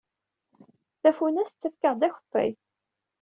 Tafunast tettakf-aɣ-d akeffay.